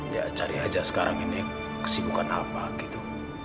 ya cari aja sekarang ini kesibukan apa gitu